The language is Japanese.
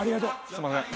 すんません。